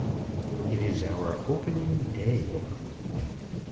IT IS OUR OPENING DAY.